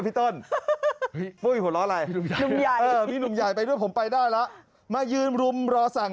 โป๊ยหัวเหลาะไหนหนุ่มยายเด้อผมไปได้ละมายืนรมรอสั่ง